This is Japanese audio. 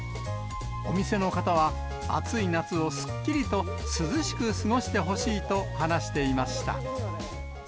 お店の方は、暑い夏をすっきりと涼しく過ごしてほしいと話していました。